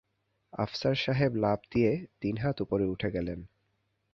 আফসার সাহেব লাফ দিয়ে তিন হাত ওপরে উঠে গেলেন।